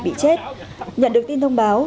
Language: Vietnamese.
bị chết nhận được tin thông báo